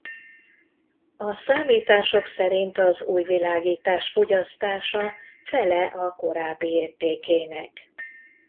A számítások szerint az új világítás fogyasztása fele a korábbi értékének.